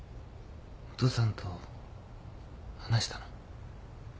お父さんと話したの？